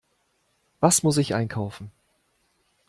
Was muss ich einkaufen?